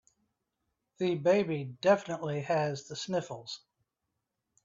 The baby definitely has the sniffles.